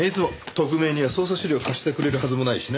特命には捜査資料貸してくれるはずもないしね。